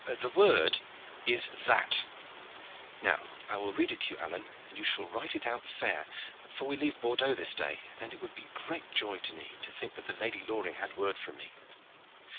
The word is 'that.' Now I will read it to you, Alleyne, and you shall write it out fair; for we leave Bordeaux this day, and it would be great joy to me to think that the Lady Loring had word from me."